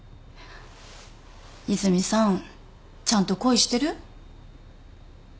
和泉さんちゃんと恋してる？